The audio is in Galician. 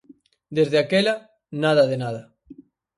Desde aquela, nada de nada.